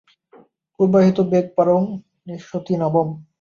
পূর্বাহিতো বেগ পারং নেষ্যতি নাবম্।